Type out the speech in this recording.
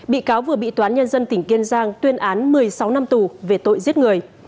bị cáo vừa bị toán nhân dân tỉnh kiên giang tuyên án một mươi sáu năm tù về tội giết người